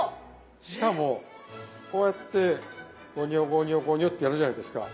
しかもこうやってごにょごにょごにょってやるじゃないですか。